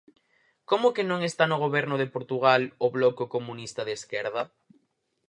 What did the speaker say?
¿Como que non está no goberno de Portugal o Bloco Comunista de Esquerda?